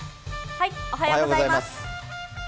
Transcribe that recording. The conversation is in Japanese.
おはようございます。